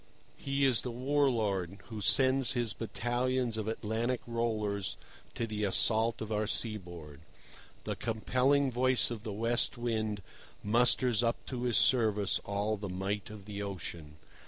He is the war lord who sends his battalions of Atlantic rollers to the assault of our seaboard. The compelling voice of the West Wind musters up to his service all the might of the ocean.